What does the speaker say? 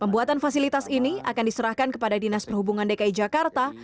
pembuatan fasilitas ini akan diserahkan kepada dki jakarta